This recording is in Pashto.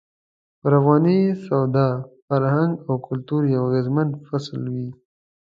پر افغاني سواد، فرهنګ او کلتور يو اغېزمن فصل وي.